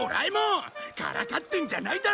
からかってるんじゃないだろうな？